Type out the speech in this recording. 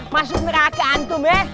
masuk neraka antum ya